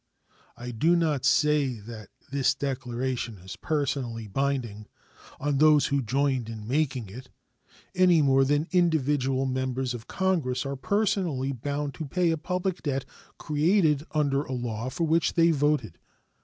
I do not say that this declaration is personally binding on those who joined in making it, any more than individual members of Congress are personally bound to pay a public debt created under a law for which they voted.